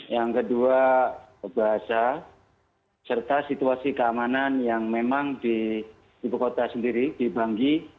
yang kedua bahasa serta situasi keamanan yang memang di ibu kota sendiri di banggi